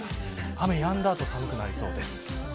雨やんだ後寒くなりそうです。